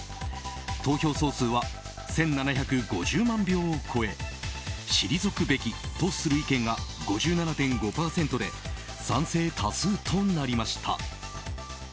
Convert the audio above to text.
投票総数は１７５０万票を超え退くべきとする意見が５７．５％で賛成多数となりました。